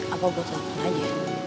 apa buat nonton aja